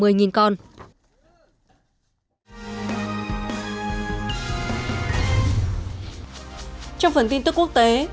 trong phần tin tức quốc tế thổ nhĩ kỳ kết án trung thân hai mươi bốn đối tượng cầm đầu âm mưu đảo chính